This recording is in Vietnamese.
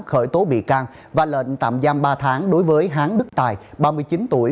khởi tố bị can và lệnh tạm giam ba tháng đối với hán đức tài ba mươi chín tuổi